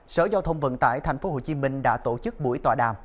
sở giao thông vận tải tp hcm đã tổ chức buổi tòa đàm